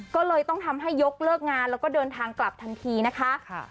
ก็เลยต้องทำให้ยกเลิกงานแล้วก็เดินทางกลับทันทีนะคะ